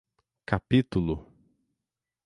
Capítulo